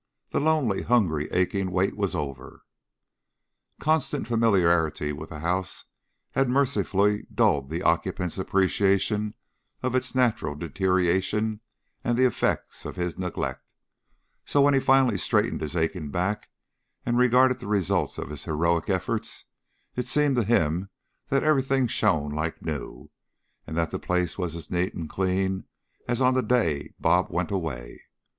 The lonely, hungry, aching wait was over. Constant familiarity with the house had mercifully dulled the occupant's appreciation of its natural deterioration and the effects of his neglect, so when he finally straightened his aching back and regarded the results of his heroic efforts, it seemed to him that everything shone like new and that the place was as neat and as clean as on the day "Bob" went away.